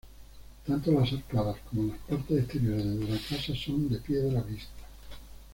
Tanto las arcadas como las partes exteriores de la casa son de piedra vista.